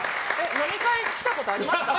飲み会来たことありました？